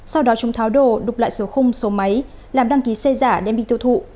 sau đó chúng tháo đồ đục lại số khung số máy làm đăng ký xe giả đem đi tiêu thụ